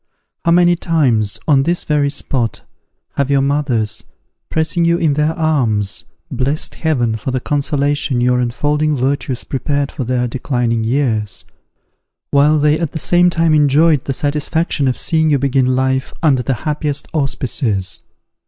How many times, on this very spot, have your mothers, pressing you in their arms, blessed Heaven for the consolation your unfolding virtues prepared for their declining years, while they at the same time enjoyed the satisfaction of seeing you begin life under the happiest auspices!